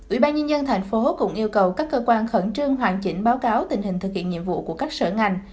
ủy ban nhân dân tp hcm cũng yêu cầu các cơ quan khẩn trương hoàn chỉnh báo cáo tình hình thực hiện nhiệm vụ của các sở ngành